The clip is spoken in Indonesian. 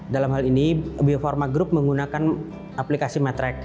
dalam hal ini bio farma group menggunakan aplikasi metreck